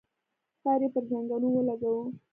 سر يې پر زنګنو ولګاوه.